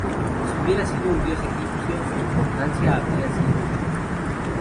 Si hubiera sido un dios egipcio su importancia habría sido mucho mayor.